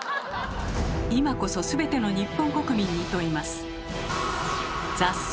今こそすべての日本国民に問います。